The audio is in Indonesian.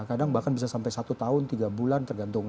kadang bahkan bisa sampai satu tahun tiga bulan tergantung